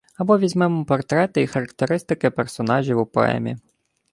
Або візьмемо портрети і характеристики персонажів у поемі.